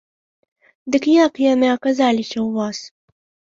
Дык як яны аказаліся ў вас?